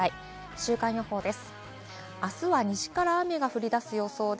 週間予報です。